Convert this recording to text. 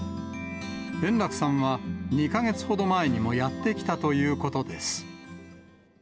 円楽さんは２か月ほど前にもやって来たということです。